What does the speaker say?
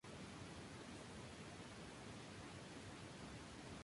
El elemento más destacado de la mezquita es su alminar.